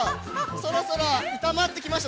そろそろ炒まってきました？